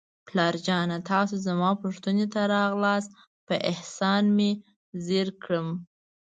پلار جانه، تاسو زما پوښتنې ته راغلاست، په احسان مې زیر کړم.